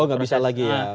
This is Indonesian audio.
oh enggak bisa lagi ya